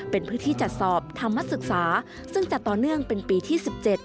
เป็นพื้นที่จัดสอบธรรมศึกษาซึ่งจัดต่อเนื่องเป็นปีที่๑๗